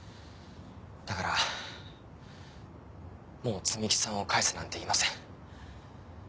だからもう摘木さんを返せなんて言いません。